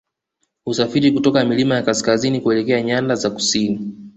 Husafiri kutoka milima ya kaskazini kuelekea nyanda za kusini